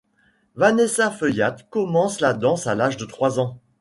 Vanessa Feuillatte commence la danse à l'âge de trois ans.